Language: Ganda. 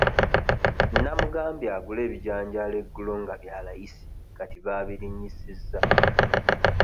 Nnamugambye agule ebijanjaalo eggulo nga bya layisi kati baabirinnyisizza.